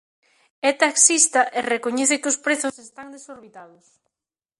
É taxista e recoñece que os prezos están desorbitados.